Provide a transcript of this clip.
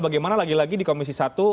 bagaimana lagi lagi di komisi satu